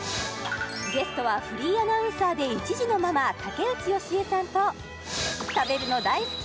ゲストはフリーアナウンサーで１児のママ竹内由恵さんと食べるの大好き！